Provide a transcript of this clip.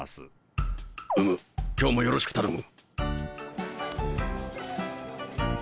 うむ今日もよろしく頼む。